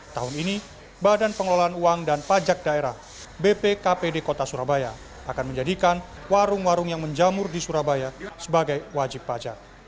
tahun ini badan pengelolaan uang dan pajak daerah bpkpd kota surabaya akan menjadikan warung warung yang menjamur di surabaya sebagai wajib pajak